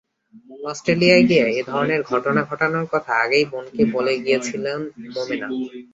অস্ট্রেলিয়ায় গিয়ে এ ধরনের ঘটনা ঘটানোর কথা আগেই বোনকে বলে গিয়েছিলেন মোমেনা।